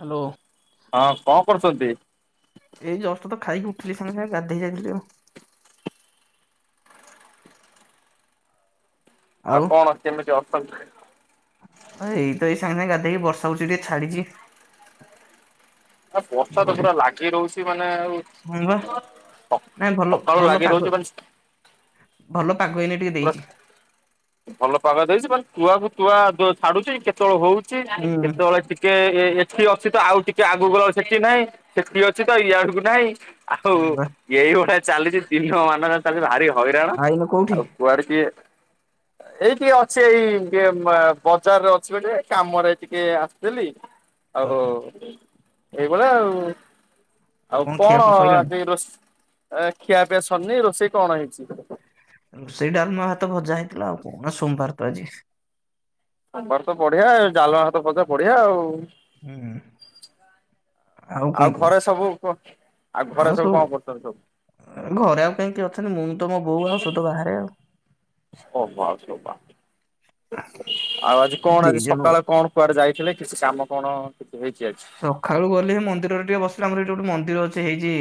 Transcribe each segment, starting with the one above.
Hello. ହଁ କଣ କରୁଛନ୍ତି? ଏଇ ଜଷ୍ଟ ତ ଖାଇକି ଉଠିଲି ସାଙ୍ଗ ସାଙ୍ଗେ ଗାଧେଇ ଯାଇଥିଲ ଆଉ। ଆଉ କଣ କେମିତି ଅଛନ୍ତି? ଆ ଏଇ ତ ଏଇ ସାଙ୍ଗେ ଗାଧେଇକି ବର୍ଷା ହଉଛି ଟିକେ ଛାଡିଛି। ଆ ବର୍ଷା ଭଲ ତ ପୁରା ଟିକେ ଲାଗି ରହୁଛି ମାନେ ଆଉ। ହଁ ବା ସ ନାଇଁ ଭଲ ସକାଳୁ ଭଲ ଲାଗି ପାଗ ରହୁଛି ମାନେ ଭଲ ପାଗ ହେଇନି ଟିକେ ପୁରା ଦେଇଛି। ଭଲ ପାଗ ଦେଇଛି ମାନେ ତୁଆକୁ ତୁଆ ଯୋ ଛାଡୁଛି କେତେବେଳେ ହଉଛି ହୁଁ କେତେବେଳେ ଟି ଟିକେ ଏଠି ଅଛି ତ ଆଉ ଟିକେ ଆଗକୁଲା ସେଠି ନାହିଁ ସେଠି ଅଛି ତ ଇ ଆଡକୁ ନାହିଁ। ଆଉ ହଁ ବା ଏଇଭଳିଆ ଚାଲିଛି ଦିନ ମାନ ଚାଲିଛି ଭାରି ହଇରାଣ ଆଉ ଏଇନେ କୋଉଠି? ଆଉ। କୁଆଡେ କିଏ? ଏଇ ଟିକେ ଅଛି ଏଇେ ଟିକେ ବେ ବଜାରରେ ଅଛି ବା ଟିକେ କାମରେ ଟିକେ ଆସିିଥିଲି। [inaudible] ଆ ହୁ। ଏଇଭଳିଆ ଆଉ ଆଉ ଖିଆ କଣ ପିଇ ସଇଲାଣି? ଆଜି ରୋସ ଏ ଖିଆ ପିଆ ସରିନି ରୋଷେଇ କଣ ହେଇଛି? ରୋଷେଇ ଡାଲମା ଭାତ ଭଜା ହେଇଥିଲା ଆଉ କଣ ସୋମବାର ତ ଆଜି? ବର୍ ତ ବଢିଆ ଜାଲଣ ହାତ ଭଜା ବଢିଆ ଆଉ। ହୁଁ। କଣ ଆଉ କୁହ? ଘରେ ସବୁ କ ଆଉ ଘରେ ସବୁ କଣ କରୁଛନ୍ତି ସବୁ? ଘରେ ଆଉ କାହିଁକି କିଏ ଅଛନ୍ତି ମୁଁ ତ ମୋ ବୋଉ ଆଉ ତ ସବୁ ବାହାରେ ଆଉ। ହଭ ଆ ଶଭ ଆଉ ଆଜି କଣ ଦି ଆଜି ଜଣ। ସକାଳେ କଣ କୁଆଡେ ଯାଇଥିଲେ କିଛି କାମ କଣ କିଛି ହେଇଛି ଆଜି? ସକାଳୁ ଗଲେ ମନ୍ଦିରରେ ଟିକେ ବସିଲା ଆମର ଏଇଠି ଗୋଟେ ମନ୍ଦିର ଅଛି ହେଇଛି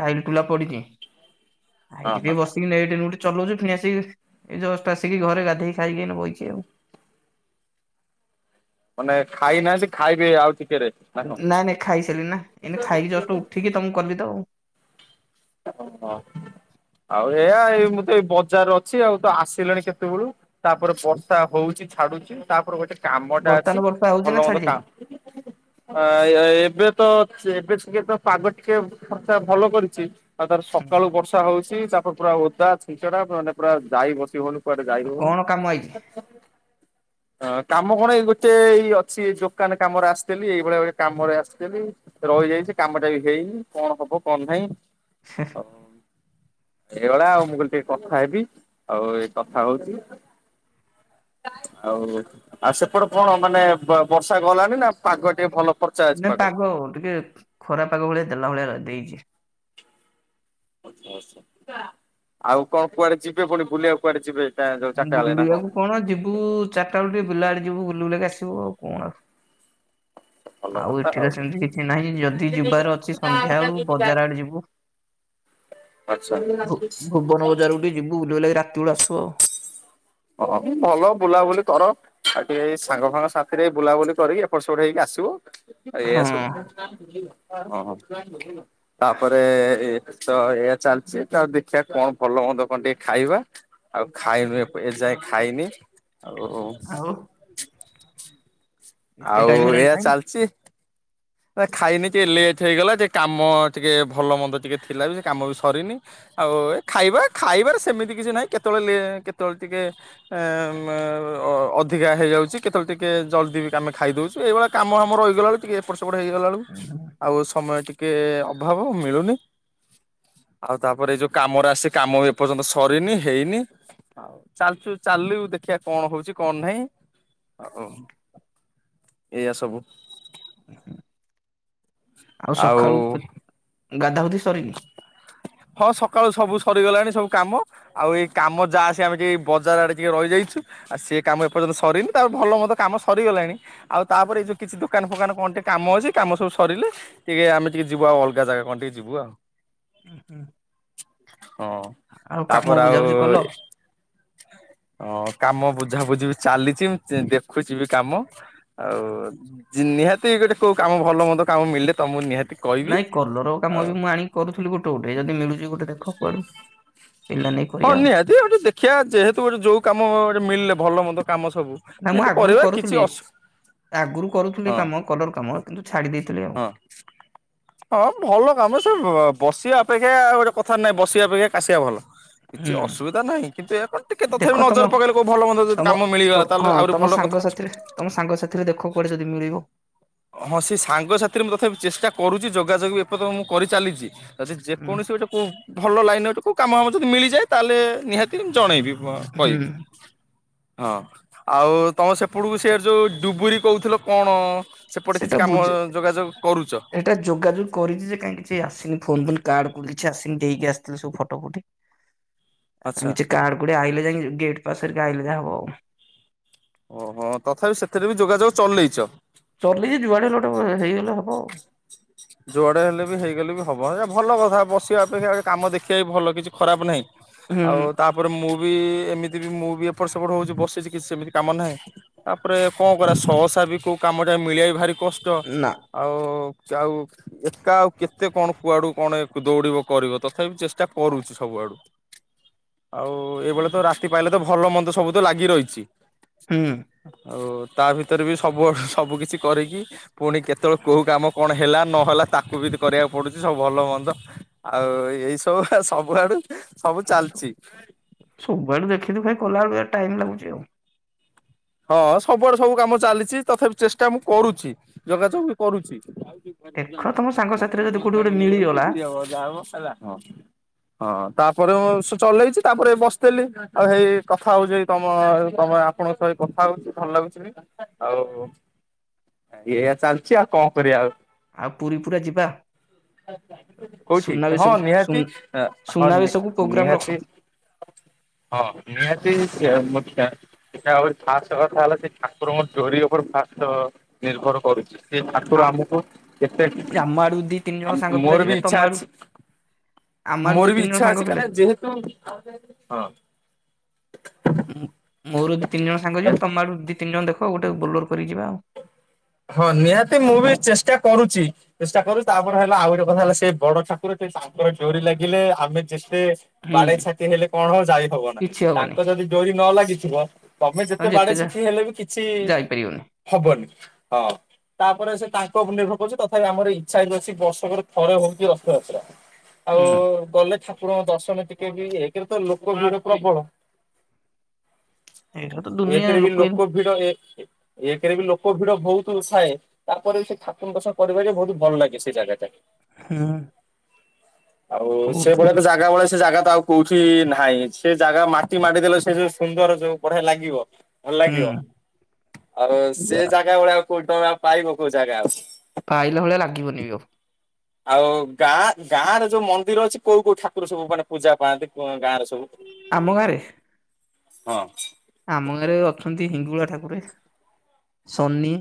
ଟାଇଲ ଟୁଲା ପଡିଛି। [inaudible] ଆ ହଁ ହଁ ଏଇଠିିକେ ବସିକିଠି ଚଲଉଛି ଫଣି ଆସି ଏ ଜଷ୍ଟ ଆସିକି ଘରେ ଗାଧେଇି ଖାଇକି ବହିଛି ଆଉ। ମାନେ ଖାଇ ନାହାଁନ୍ତି ସେ ଖାଇବେ ଆଉ ଟିକେ ନାଇଁ ନାଇଁ ଖାଇସାରିଲି ନା ଏଇନ ଖାଇକି ଜଷ୍ଟ ଉଠିକି ତମକୁ କଲି ତ ଆଉ। ଓହୋ ଆଉ ଏଇଆ ମୁଁ ତ ଏଇ ବଜାର ଅଛି ଆଉ ତ ଆସିଲେଣି କେତେବେଳୁ? ତାପରେ ବର୍ଷା ହଉଛି ଛାଡୁଛି ତାପରେ ଗୋଟେ କାମ ଟା ଅଛି ବର୍ତ୍ତମାନ ବର୍ଷା ହଉଛି ଭଲ ନା ମନ୍ଦ ଛାଡି କା ଯାଇଛି ଆ ଏବେ ତ ଏବେ ଟିକେ ତ ପାଗ ଟିକେ ଖର୍ଚା ଭଲ କରିଛି। ତାର ସକାଳୁ ବର୍ଷା ହଉଛି ତାପରେ ପୁରା ଓଦା ଛିଞ୍ଚଡା ମାନେ ପୁରା ଯାଇ ବସି ହଉନି। କୁଆଡେ ଯାଇ ଆଉ କଣ କାମ ଆଇଛି ହୋଉନି। ହଁ କାମ କଣ ଏଇ ଗୋଟେ ଏଇ ଅଛି ଦୋକାନ କାମରେ ଆସିଥିଲି ଏଇଭଳିଆ ଗୋଟେ କାମରେ ଆସିଥିଲି। ରହିଯାଇଛି କାମ ଟା ବି ହେଇନି କଣ ହବ କଣ ନାହିଁ? ଆଉ [inaudible] ଏଇଭଳିଆ ଆଉ ମୁଁ କହିଲି ଟିକେ କଥା ହେବି ଆଉ ଏଇ କଥା ହଉଛି। ଆଉ ଆଉ ସେପଟେ କଣ ମାନେ ବର୍ଷା ଗଲାଣି ନା? ପାଗ ଟିକେ ଭଲ ପର୍ଚା ଅଛି ପାଗ। ହଉ ଟିକେ ଖରାପାଗ ଭଳିଆ ଦେଲା ଭଳିଆ ଦେଇଛି। ଆଚ୍ଛା ଆଚ୍ଛା ଆଉ କଣ କୁଆଡେ ଯିବେ ପୁଣି ବୁଲିବାକୁ କୁଆଡେ ଯିବେ? ଯୋଉ ଚାରିଟା ବେଳେ ନା ବୁଲିବାକୁ କଣ ଯିବୁ ଚାରିଟା ବେଳେ ଟିକେ ବୁିଲା ଆଡେ ଯିବୁ ବୁଲ ବୁଲାକି ଆସିବୁ ଆଉ କଣ ଆଉ ଭଲ କଥା ଏଠି ତ ଆଉ ଯ ସେମିତି କିଛି ନାହିଁ ଯଦି ଯିବାର ଅଛି ସନ୍ଧ୍ୟା ବେଳୁ ବଜାର ଆଡେ ଯିବୁ। ତ ପଚନ୍ଦ ଗୋଟେ ଯୁଲ ଲାଗି ରାତି ବେ ଆସୁ ଆଉ। ହଁ ଭଲ ବୁଲାବୁଲି କର। ଆଉ ଟିକେଇ ସାଙ୍ଗ ସାାଙ୍ଗ ସାଥିରେ ବୁଲାବୁଲି କରିକି ଏପଟ ସେପଟେ ହେଇକି ଆସିବ। ଆ ଏଇଆ ସବୁ ହଁ ହଁ। ତାପରେ ଏ ତ ଏଇଆ ଚାଲିଛି ତା ଦେଖିବା କଣ ଭଲ ହନ୍ଦ କଣ ଟିକେ ଖାଇବା? ଆଉ ଖାଇନୁ ଏ ଏ ଯାଏ ଖାଇନି ଆଉ ଆଉ ଏତେ ଟାଇମ ଆଉ ହେଲାଣି ଏଇଆ ଚାଲିଚି। ନା ଖାଇନି ଟିକେ ଲେଟ ହେଇଗଲା। ଟିକେ କାମ ଟିକେ ଭଲ ମନ୍ଦ ଟିକେ ଥିଲା ବି ସେ କାମ ବି ସରିନି। ଆଉ ଏ ଖାଇବା ଖାଇବାରେ ସେମିତି କିଛି ନାହିଁ। କେତେବେଳେ ଲେ କେତେବେଳେ ଟିକେ ଏ ଅଧିକା ହେଇଯାଉଛି କେତେବେଳେ ଟିକେ ଜଲଦି ଆମେ ଖାଇଦଉଛୁ ଏଇଭଳି। କାମ ଫାମ ରହିଗଲା ବଲକୁ ଟିକେ ଏପଟ ସେପଟେ ହେଇଗଲା ବେଳକୁ ଖାଇନ? ଆଉ ସମୟ ଟିକେ। କେ ଅଭାବ ମିଳୁନି। ଆଉ ତାପରେ ଏଇ ଯୋଉ କାମରେ ଆସି କାମ ବି ଏପର୍ଯ୍ୟନ୍ତ ସରିନି ହେଇନି। ହଉ ଚାଲଛୁ ଚାଲୁ ଦେଖିବା କଣ ହଉଛି କଣ ନାହିଁ ଆଉ ଏଇଆ ସବୁ। ଆଉ ସକାଳୁ ଗାଧାଗୁଧି ସରିନି? ହଁ ସକାଳୁ ସବୁ ସରିଗଲାଣି ସବୁ କାମ ଆଉ ଏଇ କାମ ଯାହା ଆସି ଆମେ ଟିକେ ବଜାର ଆଡେ ଟିକେ ରହିଯାଇଛୁ। ଆଉ ସେଏ କାମ ଏପର୍ଯ୍ୟନ୍ତ ସରିନି ତାପରେ ଭଲ ମ କାମ ସରିଗଲାଣି ଆଉ ତାପରେ ଏଇ ଯୋଉ କିଛି ଦୋକାନ ଫୋକାନ କଣ୍ଟକ୍ଟ କାମ ଅଛି କାମ ସବୁ ସରିଲେ ଟିକେ ଆମେ ଟିକେ ଯିବୁ ଆଉ ଅଲଗା ଜାଗା କଣ ଟିକେ ଯିବୁ ଆଉ ଉଁ ଉଁ ହଁ, ତାପରେ ଆଉ ବୁଝାବୁଝି କଲ? ହଁ କାମ ବୁଝାବୁଝି ବି ଚାଲିଛି ଦେଖୁଛି ବି କାମ। ଆଉ ନିହାତି ଗୋଟେ କୋଉ କାମ ଭଲ ମନ୍ଦ କାମ ମିଳିଲେ ତମକୁ ନିହାତି କହିବି ନାଇଁ କଲର କାମ ଆଉ ବି ମୁଁ ଆଣିକି କରୁଥିଲି ଗୋଟେ ଗୋଟେ ଯଦି ମିଳୁଛି ଗୋଟେ ଦେଖ କୁଆଡୁ। ପିଲାମାନେ ହଁ ନିହାତି ଆଉ ଟିକେ ଦେଖିବା ଯେହେତୁ ଗୋଟେ ଯୋଉ କାମ ଗୋଟେ ମିଳିଲେ ଭଲ ମନ୍ଦ କାମ ସବୁ। ନା ମୁଁ ନିହାତି ଆଗରୁ କରିବା କିଛି କରୁଥିଲି ଅସୁ ଆଗରୁ କରୁଥିଲି ହଁ କାମ କଲର କାମ କିନ୍ତୁ ଛାଡି ଦେଇଥିଲି ଆଉ। ହଁ [inaudible] ହଁ ଭଲ କାମ ସେ ବସିବା ଅପେକ୍ଷା ଆଉ ଗୋଟେ କଥାରେ ନାହିଁ ବସିବା ଅପେକ୍ଷା କାସିବା ଭଲ। କିଛି ହୁଁ ଅସୁବିଧା ନାହିଁ କିନ୍ତୁ ଏହା କଣ ଟିକେ ଦେଖ ତଥାପି ତମ ନଜର ପକେଇଲେ କୋଉ ଭଲ ମନ୍ଦ ଯଦି ତମ କାମ ତ ମିଳିଗଲା ହଁ ତାହେଲେ ଆହୁରି ତମ ଭଲ କଥା। ସାଙ୍ଗସାଥିରେ ତମ ସାଙ୍ଗ ସାଥିରେ ଦେଖ କୁଆଡେ ଯଦି ମିଳିବ। ହଁ ସେ ସାଙ୍ଗସାଥିରେ ମୁଁ ତଥାପି ଚେଷ୍ଟା କରୁଛି ଯୋଗାଯୋଗ ବି ଏପତ ମୁଁ କରିଚାଲିଛି। ଯଦି ହୁଁ ଯେକୌଣସି ଗୋଟେ କୋଉ ଭଲ ଲାଇନ୍ ର ଗୋଟେ କେଉଁ କାମ ଆମ ଯଦି ମିଳିଯାଏ ତାହେଲେ ନିହାତି ଜଣେଇବି। ହୁଁ କହିବି। ହଁ ଆଉ ତମ ସେପଟକୁ ସେ ଯୋଉ ଡୁବୁରି କହୁଥିଲ କଣ। ସେପଟେ କିଛି କାମ ଯୋଗାଯୋଗ କରୁଛ। ଏ ଯୋଗାଯୋଗ କରିଛି ଯେ କାଇଁ କିଛି ଆସିନି ଫୋନ ଫୋନ କାର୍ଡ କିଛି ଆସନି ଦେଇକି ଆସିଥିଲି ସବୁ ଫଟୋ ଫୁଟି। ଆଚ୍ଛା କିଛି କାର୍ଡ କୁଡେ ଆଇଲେ ଯାଇକି ଗେଟ ପାସ୍ ହେରିକା ଆଇଲେ ଯାହା ହବ ଆଉ ଓହୋ ତଥାପି ସେଥିରେ ବି ଯୋଗାଯୋଗ ଚଲେଇଚ? ଚଲେଇଛି, ଯୁଆଡେ ହେଲେ ଗୋଟେ ହେଇଗଲେ ହବ ଆଉ। ଯୁଆଡେ ହେଲେ ବି ହେଇଗଲେ ବି ହବ, ଏ ଭଲ କଥା ବସିବା ଅପେକ୍ଷା କାମ ଦେଖିବା ବି ଭଲ, କିଛି ଖରାପ ନାହିଁ। ହୁଁ ଆଉ ତାପରେ ମୁଁ ବି, ଏମିତି ବି ମୁଁ ବି, ଏପଟ ସେପଟ ହଉଛି ବସିଛି କିଛି ସେମିତି କାମ ନାହିଁ। ତାପରେ କଣ କରିଆ ସହସା ବି କୋଉ କାମ ଟା ମିଳଆ ଭାରି କଷ୍ଟ। ନା ଆଉ ଆଉ ଏକା ଆଉ କେତେ କଣ କୁଆଡୁ କଣ ଏତେ ଦୌଡିବ। କରିବ? ତଥାପି ଚେଷ୍ଟା କରୁଛି ସବୁଆଡୁ ଆଉ ଏଇଭଳିଆ ତ ରାତି ପାଇଲେ ତ ଭଲ ମନ୍ଦ ସବୁ ତ ଲାଗି ରହିଛି। ହୁଁ ଉଁ ଆଉ ତା ଭିତରେ ବି ସବୁ ସବୁ କିଛି କରିକି ପୁଣି କେତେବେଳେ କୋଉ କାମ କଣ ହେଲା? ନହେଲା ତାକୁ ବି କରିବାକୁ ପଡୁଛି, ସବୁ ଭଲ ମନ୍ଦ, ଆଉ ଏଇ ସବୁ ସବୁଆଡୁ। ସବୁ ଚାଲିଛି ସବୁଆଡେ ଦେଖିଦୁଖୀ କଲାବେଳେ ଏୟା ଟାଇମ ଲାଗୁଛି ଆଉ। ହଁ ସବୁଆଡେ ସବୁ କାମ ଚାଲିଛି ତଥାପି ଚେଷ୍ଟା ମୁଁ କରୁଛି ଯୋଗାଯୋଗ ବି କରୁଛି। ଖାଇବା ନେଇ ଦେଖ ଯାଉଛି ତମ ସାଙ୍ଗସାଥିରେ ଯଦି କୋଉଠି ଗୋଟେ ମିଳିଗଲା ଯାହା ହବ ହେଲା। ହଁ ତାପରେ ମୁ ସେ ଚଲେଇଛି ତାପରେ ବସିଥିଲି। ଆଉ ସେଇ କଥା ହଉଛି ତମ ତମେ ଆପଣଙ୍କ ସହିତ। କଥା ହଉଛି ଭଲ ଲାଗୁଛି ଆଉ ଏଇଆ ଚାଲିଛି ଆଉ କଣ କରିବା ଆଉ ଆଉ ପୁରୀ ପୁରା ଯିବା। କୋଉଠି ହଁ ସୁନାବେଶକୁ ସୁ ନିହାତି, ହଁ ସୁନାବେଶକୁ ପ୍ରୋଗ୍ରାମ ରଖ। ନିହାତି। ହଁ ନିହାତି ମୁଖ୍ୟ ଫାଷ୍ଟ କଥା ହେଲା ସେ ଠାକୁରଙ୍କ ଡୋରି ଉପରେ ଫାଷ୍ଟ ନିର୍ଭର କରୁଛି। ସେ ଠାକୁର ଆମ ଆମକୁ କେତେ ଆମ ଆଡୁ ଦି ତିନି ଜଣ ସାଙ୍ଗ ପିଲା ମୋର ଯିବେ ବି ତମ ଇଛା ଆଡୁ ଅଛି। ଆମ ଆଡୁ ଦି ମୋର ବି ତିନି ଜଣ ଇଛା ସାଙ୍ଗ ଅଛି ପିଲା କାଇଁନା ଯିବେ। ଯେହେତୁ ହଁ। ମୋର ଯଦି ତିନି ଜଣ ସାଙ୍ଗ ଯିବେ, ତମେ ଆଡୁ ଦି ତିନି ଜଣ ଦେଖ ଗୋଟେ ବୋଲର କରି ଯିବା ଆଉ ହଁ ନିହାତି ମୁଁ ବି ଚେଷ୍ଟା କରୁଛି। ଚେଷ୍ଟା କରୁଛି ତାପରେ ହେଲା ଆଉ ଗୋଟେ କଥା ହେଲା ସେ ବଡ ଠାକୁର ସେ ତାଙ୍କର ଡୋରି ଲାଗିଲେ ଆମେ ଯେତେ ହୁଁ ବାଡେଇ ଛାଟି ହେଲେ କଣ ହବ ଯାଇ ହବ ନା। କିଛି ତାଙ୍କ ହବନି ଯଦି ଡୋରି ନ ଲାଗିଥିବ ତମେ ଯେତେ ବାଡେଇ ଛାଟି ହେଲେ ବି କିଛି ଯାଇପାରିବନି। ହବନି। ହଁ। ତାପରେ ସେ ତାଙ୍କ ଉପରେ ନିର୍ଭର କରୁଛି ତଥାପି ଆମର ଇଛା ହେଇ ଅଛି ବର୍ଷକରେ ଥରେ ହଉଛି ରଥଯାତ୍ରା। ଆଉ ହୁଁ ଗଲେ ଠାକୁରଙ୍କ ଦର୍ଶନ ଟିକେ ବି ହେଇକରେ ତ ଲୋକ ଭିଡ ପ୍ରବଳ। ଏଇଟା ତ ଦୁନିଆ ଏକରେ ବି ଲୋକ ଭିଡ଼ ଏ କରେ ବି ଲୋକ ଭିଡ ବହୁତ ଥାଏ ତାପରେ ବି ସେ ଠାକୁର ଦସା କରିବା ଯେ ବହୁତ ଭଲ ଲାଗେ ସେ ଜାଗାଟା। ହୁଁ। ଆଉ ସେ ବହୁତ ଭଳିଆ ଜାଗା ବଳିଳେ ସେ ଜାଗା ତ ଆଉ କୋଉଠି ନାହିଁ ସେ ଜାଗା ମାଟି ମାଡି ଦେଲେ ସେ ଯୋଉ ସୁନ୍ଦର ଯୋଉ ବଢିଆ ଲାଗିବ। ଭଲ ହୁଁ। ଲାଗିବ ଆଉ ସେ ଜାଗା ଭଳିଆଉ କୋଉ ଟଙ୍କାଉ ପାଇବ କୋଉ ଜାଗା ଆଉ? ପାଇଲା ଭଳିଆ ଲାଗିବନି ଆଉ। ଆଉ ଗାଁ ଗାଁ ରେ ଯୋଉ ମନ୍ଦିର ଅଛି କୋଉ କୋଉ ଠାକୁର ସବୁ ମାନେ ପୂଜା ପାଆନ୍ତି ଗାଁ ରେ ସବୁ? ଆମ ଗାଁରେ? ହଁ। ଆମ ଗାଁରେ ଅଛନ୍ତି ହିଙ୍ଗୁଳା ଠାକୁରେ, ସନି,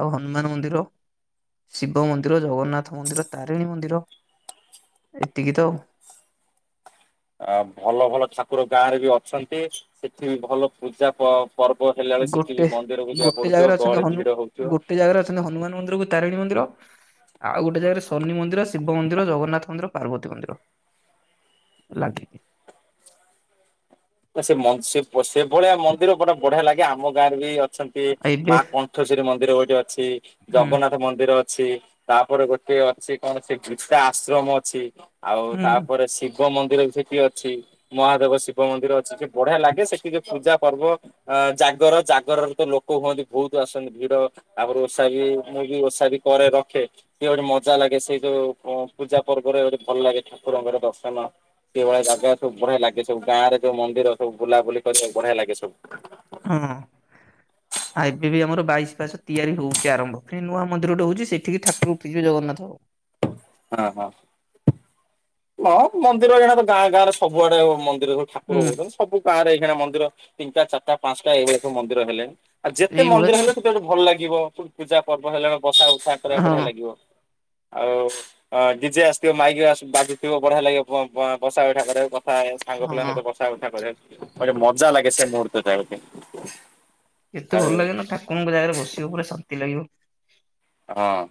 ଆଉ ହନୁମାନ ମନ୍ଦିର। ଶିବ ମନ୍ଦିର, ଜଗନ୍ନାଥ ମନ୍ଦିର, ତାରିଣୀ ମନ୍ଦିର ଏତିକି ତ ଆଉ। ଅ ଭଲ ଭଲ ଠାକୁର ଗାଁ ରେ ବି ଅଛନ୍ତି ସେଠି ବି ଭଲ ପୂଜା। ପର୍ବ ହେଲା ବେଳେ ସେଠି ବି ଗୋଟେ ମନ୍ଦିରକୁ ଯାହା ଗୋଟେ ପଡୁଥିବ ଜାଗାରେ ଅଛନ୍ତି ଗହଳି ହନୁ ଭିର ହଉଥିବ। ଗୋଟେ ଜାଗାରେ ହନୁମାନ ମନ୍ଦିରକୁ ତାରିଣୀ ମନ୍ଦିର ଆଉ ଗୋଟେ ଜାଗାରେ ଶନି ମନ୍ଦିର, ଶିବ ମନ୍ଦିର, ଜଗନ୍ନାଥ ମନ୍ଦିର, ପାର୍ବତୀ ମନ୍ଦିର। ଲାଗିନି। ନା ସେ ସେଭଳିଆ ମନ୍ଦିର ପୁରା ବଢିଆ ଲାଗେ ଆମ ଗାଁରେ ବି ଅଛନ୍ତି। ଆଉ ଏବେ ମା କଣ୍ଠେଶ୍ୱରୀ ମନ୍ଦିର ଗୋଟେ ଅଛି ହୁଁ ଜଗନ୍ନାଥ ମନ୍ଦିର ଅଛି ତାପରେ ଗୋଟେ ଅଛି କଣ ସେ ଗୀତା ଆଶ୍ରମ ଅଛି। ଆଉ ହୁଁ ହଁ। ତାପରେ ଶିବ ମନ୍ଦିର ବି ସେଠି ଅଛି ମହାଦେବ ଶିବ ମନ୍ଦିର ଅଛି। ଟିକେ ବଢିଆ ଲାଗେ ସେଠି ଯୋଉ ପୂଜା ପର୍ବ। ଆ ଜାଗର ଜାଗରରେ ତ ଲୋକ ହୁଅନ୍ତି ବହୁତ ଆସନ୍ତି ଭିଡ। ଆଗରୁ ଓଷା ବି ମୁଁ ବି ଓଷା ବି କରେ ରଖେ। ସେଏ ଗୋଟେ ମଜା ଲାଗେ ସେଇ ଯୋଉ ପୂଜା ପର୍ବରେ ଗେ ଭଲ ଲାଗେ ଠାକୁରଙ୍କର ଦର୍ଶନ। ସେଇ ଭଳିଆ ଜାଗା ସବୁ ବଢିଆ ଲାଗେ ସବୁ ଗାଁରେୋଉ ମନ୍ଦିର ସବୁ ବୁଲାବୁଲି କରିବାକୁ ବଢିଆ ଲାଗେ ସବୁ। ହୁଁ। ଆଉ ଏବେ ବି ଆମର ବଶାର୍ସ ତିଆରି ହଉଛି ଆରମ୍ଭ ପୁଣି ନୂଆନ୍ଦିରଟା ହଉଛି ସେଠିକି ଠାକୁର ଉଠିିବେ ଜଗନ୍ନାଥ ହଉ। ହଁ ହଁ ହଁ ମନ୍ଦିର ଏଣ ତ ଗାଁ ଗାଁ ରେ ସବୁଆଡେ ମନ୍ଦିର ଠାକୁର ହୁଁ ହଉଛନ୍ତି ସବୁ ଗାଁରେ ଏଇଣା ମନ୍ଦିର ତିନିଟା ଚାରିଟ ପାଞ୍ଚଟା ଏଇଳି ସବୁ ମନ୍ଦିର ହେଲେଣି। ଆଉ ଯେତେ ଏଇଭଳିଆ ମନ୍ଦିର ତ ହେଲେ ସେତେବେଟେ ଭଲ ଲାଗିବ ପୂଜା ପର୍ବ ହେଲା ବେଳେ ବସା ବସା କରିବା ବଢିଆ ହଁ ଲାଗିବ। ଆଉ ହଁ ଜଡିଜେ ଆସିଥିବ ମାଇକି ବାୁଥିବ ବଢିଆ ଲାଗିବ ବସା ସାଙ୍ଗରେ କଥା ସାଙ୍ଗ ହଁ। ପିଲାଙ୍କ ସହିତ ମଜା ଲାଗେ ସେ ମୁହୂର୍ତଟା ଗୋଟେ। ଏତେ ଭଲ ଆଉ ଲାଗେନ ଠାକୁରଙ୍କ ଜାଗାରେ ବସିବ ପୁରା ଶାନ୍ତି ଲାଗିବ। ହଁ।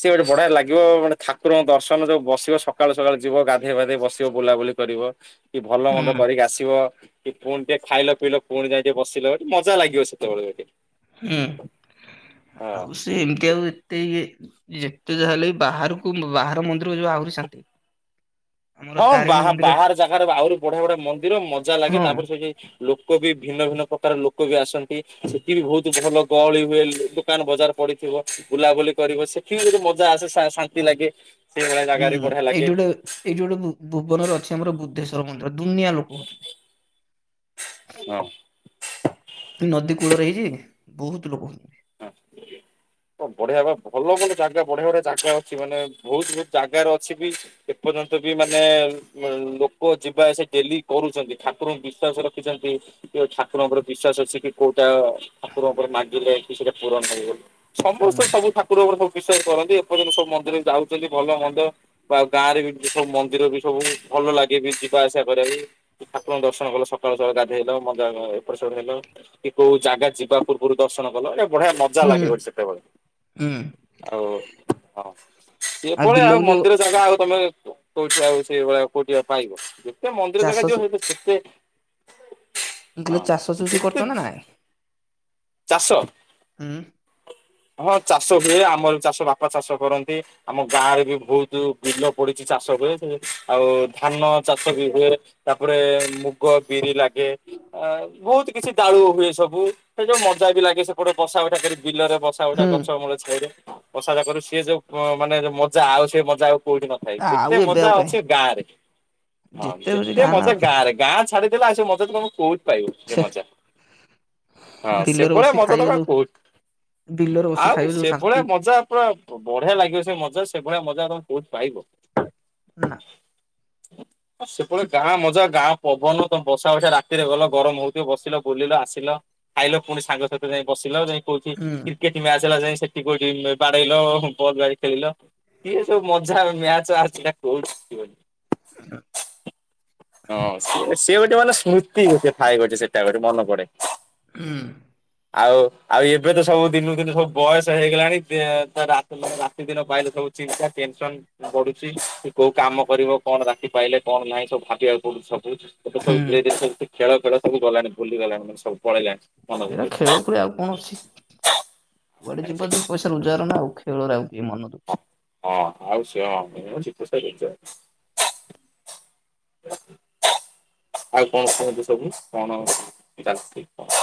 ସିଏ ଏଠେ ବଢିଆ ଲାଗିବ ମାନେ ଠାକୁରଙ୍କ ଦର୍ଶନ ଯୋଉ ବସିବ ସକାଳୁ ସକାଳୁ ଯିବ, ଗାଧୋଇବାଧେଇ ବସିବ ବୁଲା ବୁଲି କରିବ କି ଭଲ ମନ୍ଦ ହୁଁ କରିକି ଆସିବ। କି ପୁଣି ଟିକେ ଖାଇଲ ପଇଲ, ପୁଣି ଯାଇ ଟିକଏ ବସିଲ, ମଜା ଲାଗିବ ସେତେବେଳେକେ। ହୁଁ ଆଉ ସେ ଏମିତି ଆଉ ଯେତେ ଯାହାଲେ ବାହାରକୁ ବାହାର ମନ୍ଦିର ଯୋଉ ଆହୁରିଶାନ୍ତି। ଆମର ହଁ ବା ତାରିଣୀ ବାହାର ଜାଗାରେ ଆହୁରି ବଢିଆ ବଢିଆ ମନ୍ଦିର ମଜା ଲାଗେ ହଁ ତାପରେ ସେଇ ଯାଇ ଲୋକ ବି ଭିନ୍ନ ଭିନ୍ନ ପ୍ରକାର ଲୋକ ବି ଆସନ୍ତି ସେଠି ବି ବହୁତ ଭଲ ଗହଳି ହୁଏ। ଦୋକାନ ବଜାର ପଡିଥିବ ବୁଲାବୁଲି କରିବ ସେଠି ଯଦି ମଜା ଆସେ ଶାନ୍ତି ଲାଗେ। ସେଇଭଳି ଜାଗାରେ ବଢିଆ ଲାଗେ। ଏଇ ଯୋ ଗୋଟେ ଭୁବନରେ ଅଛି ଆମର ବୁଦ୍ଧେଶ୍ଵର ମନ୍ଦିର ଦୁନିଆ ଲୋକ ହଉଛନ୍ତି। ହଁ। ନଦୀ କୂଳରେ ହେଇଛି ବହୁତ ଲୋକ ହଉଛନ୍ତି। ଓ ବଢିଆ ବା ଭଲ ଭଲ ଜାଗା ବଢିଆ ବଢିଆ ଜାଗା ଅଛି ମାନେ ବହୁତ ବହୁତ ଜାଗାରେ ଅଛି ବି। ଏପର୍ଯ୍ୟନ୍ତ ବି ମାନେ ଲୋକ ଯିବା ଆସିବା ଡେଲି କରୁଛନ୍ତି। ଠାକୁରଙ୍କୁ ବିଶ୍ୱାସ ରଖିଛନ୍ତି। ଠାକୁରଙ୍କ ଉପରେ ବିଶ୍ୱାସ ଅଛି କି କୋଉଟା ଠାକୁର ଉପରେ ମାଗିଲେ କି ସେଟା ପୂରଣ କରିବେ। ସମସ୍ତେ ହୁଁ ସବୁ ଠା ଠାକୁର ଙ୍କ ଉପରେ ସବୁ ବିଶ୍ୱାସ କରନ୍ତି, ଏପର୍ଯ୍ୟନ୍ତ ସବୁ ମନ୍ଦିରରେ ଯାଉଛନ୍ତି ଭଲ ମନ୍ଦ ଆଉ ଗାଁରେ ବି ସବୁ ମନ୍ଦିର ବି ସବୁ ଭଲ ଲାଗେ ବି ଯିବା ଆସିବା କରିବା ବି। ଠାକୁରଙ୍କୁ ଦର୍ଶନ କଲ ସକାଳୁ ସକାଳ ଗାଧେଇଲ ମଜା ଏଟ ସେପଟେ ହେଲ କି କୋଉ ଜାଗା ଯିବା ପୂର୍ବରୁ ଦର୍ଶନ କଲ। ଏଟା ବଢିଆ ମଜା ହୁଁ ଲାଗେ ଗୋଟେ ସେତେବେଳେ। ହୁଁ ଆଉ ହଁ। ସେ ଭଳିଆ ବିଲ ଆଉ ବୁଲି ମନ୍ଦିର ଜାଗା ଆଉ ତମେ କୋଉଠି ଆଉ ସେଇ ଭଳିଆ କୋଉଠି ଆଉ ପାଇବ। ଯେତେ ମନ୍ଦିର ଚାଷ ଜାଗା ସୁ ଯିବ ସେତେ ମୁଁ କହିଲି ହଁ। ଚାଷ ଚୁଷି ଏତେ କରୁଛ ନା ନାଇଁ? ଚାଷ ଉଁ। ହଁ ଚାଷ ହୁଏ। ଆମର ବି ଚାଷ ବାପା ଚାଷ କରନ୍ତି। ଆମ ଗାଁରେ ବି ବହୁତ ବିଲ ପଡିଚି ଚାଷ ହୁଏ। ଆଉ ଧାନ ଚାଷ ବି ହୁଏ। ତାପରେ ମୁଗ ବିରି ଲାଗେ। ଅ ବହୁତ କିଛି ଦାଳୁ ହୁଏ ସବୁ। ସେ ଯୋଉ ମଜା ବି ଲାଗେ ସେ ଏପଟେ ବସା ଉଠା କରି ବିଲରେ ବସା ଉଠା ହୁଁ ଗଛ ମୂଳ ଛାଇରେ। ବସା ଉଠା କରିବୁ ସେ ଯୋଉ ମାନେ ଯୋଉ ମଜା ଆଉ ସେ ମଜା ଆଉ କୋଉଠି ନ ଭାଇ ଯେତେ ଆଉ ଏବେ ମଜା ଆଉ କାହିଁ ଅଛି ଗାଁ ରେ। ହଁ, ହଉଛି ଯେତେ ନା ମଜା ଆଉ। ଗାଁ ରେ। ଗାଁ ଛାଡି ସେ ମଜା ତମେ କୋଉଠି ପାଇବୁନି ସେ ମଜା। ହଁ ବିଲରେ ସେଭଳିଆ ବସି ମ [unintelligible] ଖାଇବ ଯୋଉ ବିଲରେ ବସି ଆଉ ଖାଇବ ଯୋଉ ସେଭଳିଆ ଶାନ୍ତି ମଜା ପୁରା ବଢିଆ ଲାଗିବ ସେ ମଜା। ସେଭଳିଆ ମଜା ତମେ କହୁଠୁ ପାଇବ। ନା। ହଁ ସେଭଳିଆ ଗାଁ ମଜା ଗାଁ ପବନ ତମେ ବସା ଉଠା ରାତିରେ ଗଲ ଗରମ ହଉଥିବ ବସିଲ ବୁଲିଲ ଆସିଲ। ଖାଇଲ ପୁଣି ସାଙ୍ଗସାଥି ରେ ଯାଇ ବସିଲା ଯାଇ କୋଉଠି ହୁଁ କ୍ରି କେଟ ମ୍ୟାଚ ହେଲା ଯାଇ ସେଠି କୋଉଠି ବାଡେଇଲ ବଲ୍ ବା ଖେଳିଲ। ଏ ସବୁ ମଜା ମ୍ୟାଚ ଅଛିନା। [unintelligible] [unintelligible] ହଁ। ସେ ସିଏ ଗୋଟେ ମାନେ ସ୍ମୃତି ଗୋଟେ ଥାଏ ଗୋଟେ ସେଟା ଗୋଟେ ମନ ପଡେ। ଉଁ। ଆଉ ଆଉ ଏବେ ତ ସବୁ ଦିନକୁ ଦିନୁ ସବୁ ବୟସ ହେଇଗଲାଣି, ଦେ ତ ରାତ୍ ମାନେ ରାତି ଦିନ ପାହିଲେ ସବୁ ଚିନ୍ତା ଟେନସନ ବଢୁଚି। କିଏ କୋଉ କାମ କରିବ କଣ ରାତି ପାହିଲେ କଣ ନାହିଁ ସବୁ ଭା ଦେଖିବାକୁ ପଡୁଚି ସବୁ। ଏବେ ତ ସବୁ ହୁଁ। ଧିରେ ଧିରେ ଖେଳ ଫେଳ ସବୁ ଗଲାଣି ଭୁଲି ଗଲାଣି ମାନେ ସବୁ ପଳେଇଲାଣି। ମନ ଏ ଭିତରୁ ଖେଳ ଫେଳ ଆଉ କଣ ଅଛି। କୁଆଡେ ଜାଣିଛ ଯିବ କି? ଦି ପଇସା ରୋଜଗାର ନା ଖେଳରେ ଆଉ କିଏ ମନ ଦଉଚି। ହଁ ଆଉ ସେ ହଁ ମେନ୍ ହେଲା ଦି ପଇସା ରୋଜଗାର। ଆଉ କଣ କୁହନ୍ତୁ ସବୁ। କଣ ଚାଲିଚି କଣ?